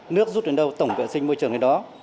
nước rút đến đâu tổng vệ sinh môi trường đến đó